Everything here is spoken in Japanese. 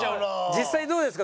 実際にどうですか？